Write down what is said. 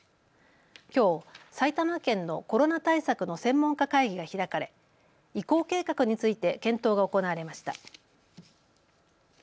きょう埼玉県のコロナ対策の専門家会議が開かれ移行計画について検討が行われました。